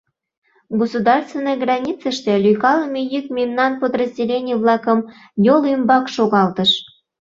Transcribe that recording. Государственный границыште лӱйкалыме йӱк мемнан подразделений-влакым йол ӱмбак шогалтыш.